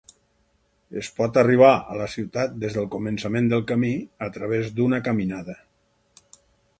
Es pot arribar a la ciutat des del començament del camí a través d'una caminada.